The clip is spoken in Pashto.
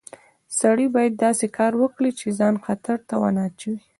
سړی باید داسې کار وکړي چې ځان خطر ته ونه اچوي